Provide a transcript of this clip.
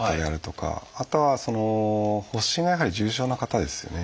あとは発疹がやはり重症な方ですよね。